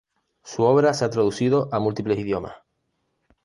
Su obra se ha traducido a múltiples idiomas.